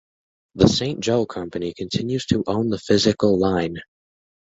The Saint Joe Company continues to own the physical line.